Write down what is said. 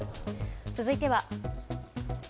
続いては。